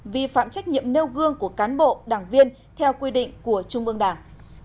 vi phạm trách nhiệm nêu gương của cán bộ đảng viên theo quy định của trung ương đảng